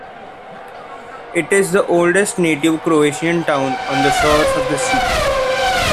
It is the oldest native Croatian town on the shores of the sea.